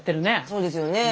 そうですよね。